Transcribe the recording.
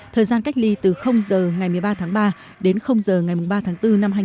thời gian cách ly từ giờ ngày một mươi ba tháng ba đến giờ ngày ba tháng bốn